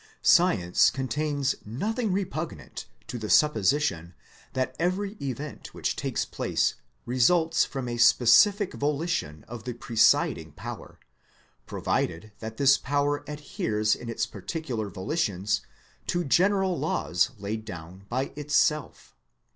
Science contains nothing repugnant to the supposi tion that every event which takes place results from a specific volition of the presiding Power, provided that this Power adheres in its particular volitions to general laws laid down by itself.